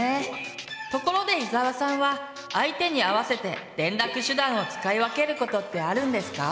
ところで伊沢さんは相手に合わせて連絡手段を使い分けることってあるんですか？